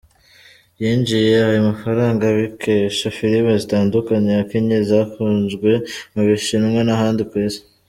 Yinjije ayo mafaranga abikesha filime zitandukanye yakinnye zakunzwe mu Bushinwa n’ahandi ku isi.